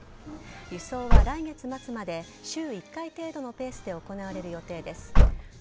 輸送は来月末まで週１回程度のペースで行われる予定です。